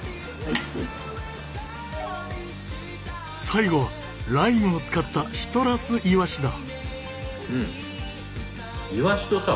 最後はライムを使ったシトラスイワシだ。